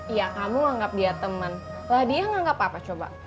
iya kamu anggap dia temen lah dia nganggap apa coba